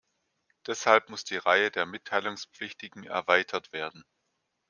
Deshalb muss die Reihe der Mitteilungspflichtigen erweitert werden.